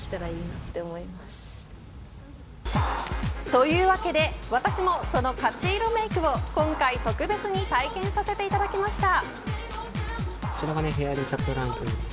というわけで私も、その勝色メークを今回特別に体験させていただきました。